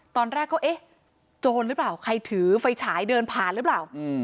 ตอนแรกก็เอ๊ะโจรหรือเปล่าใครถือไฟฉายเดินผ่านหรือเปล่า